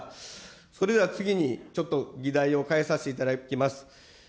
それでは次に、ちょっと議題を変えさせていただきます。